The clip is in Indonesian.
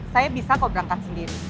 saya bisa kok berangkat sendiri